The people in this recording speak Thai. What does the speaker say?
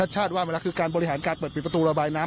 ชาติว่าเวลาคือการบริหารการเปิดปิดประตูระบายน้ำ